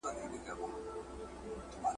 بزګران په پسرلي کې تخم شیندي.